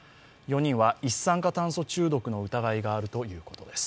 ４人は一酸化炭素中毒の疑いがあるということです。